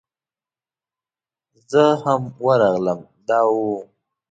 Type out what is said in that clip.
زه هم ورغلم دا و.